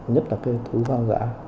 nhất là cái thú vang dã